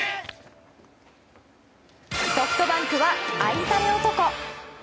ソフトバンクは、愛され男。